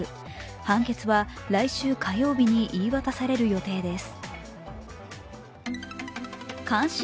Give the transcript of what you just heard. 判決は来週火曜日に言い渡される予定です。